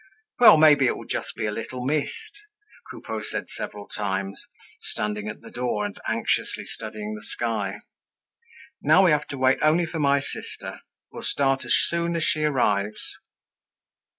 "Well, maybe it will just be a little mist," Coupeau said several times, standing at the door and anxiously studying the sky. "Now we have to wait only for my sister. We'll start as soon as she arrives."